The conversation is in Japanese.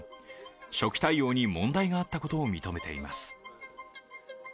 初期対応に問題があったことを認めています。